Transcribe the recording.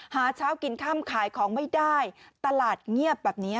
หาเช้ากินค่ำขายของไม่ได้ตลาดเงียบแบบนี้